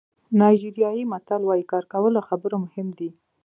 نایجیریايي متل وایي کار کول له خبرو مهم دي.